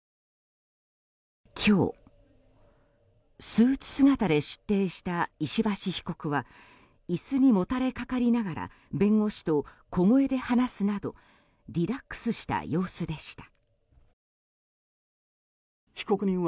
今日、スーツ姿で出廷した石橋被告は椅子にもたれかかりながら弁護士と小声で話すなどリラックスした様子でした。